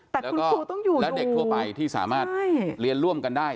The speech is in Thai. แต่คุณครูต้องอยู่อยู่แล้วเด็กทั่วไปที่สามารถเรียนร่วมกันได้